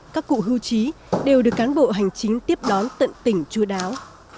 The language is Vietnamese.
các cụ hưu trí đều được cán bộ hành chính tiếp đón tận tỉnh chú đáo